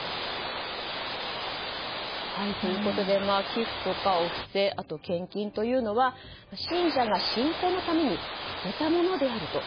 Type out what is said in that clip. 寄付とかお布施あと献金というのは信者が信仰のために捨てたものであると。